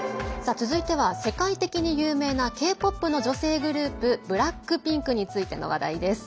続いては、世界的に有名なＫ‐ＰＯＰの女性グループＢＬＡＣＫＰＩＮＫについての話題です。